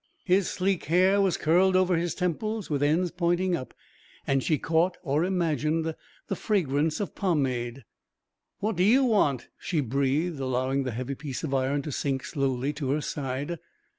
His sleek hair was curled over his temples with ends pointing up, and she caught, or imagined, the fragrance of pomade. "What do you want?" she breathed, allowing the heavy piece of iron to sink slowly to her side.